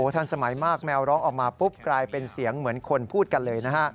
ทันสมัยมากแมวร้องออกมาปุ๊บกลายเป็นเสียงเหมือนคนพูดกันเลยนะฮะ